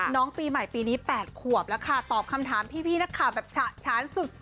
น้องปีใหม่ปีนี้๘ขวบแล้วค่ะตอบคำถามพี่นักข่าวแบบฉะฉานสุด